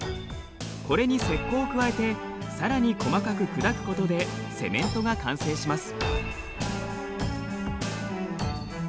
これに石こうを加えてさらに細かく砕くことでセメントが完成します。